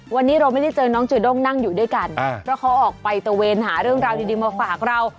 วันนี้เราไม่ได้เจอน้องจูด้งนั่งอยู่ด้วยกันเพราะเขาออกไปตะเวนหาเรื่องราวดีมาฝากเรา